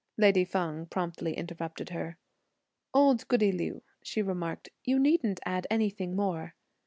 Lady Feng promptly interrupted her. "Old goody Liu," she remarked, "you needn't add anything more."